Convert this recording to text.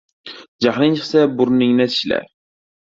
• Jahling chiqsa — burningni tishla.